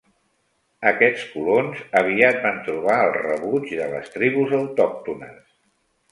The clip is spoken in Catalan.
Aquests colons aviat van trobar el rebuig de les tribus autòctones.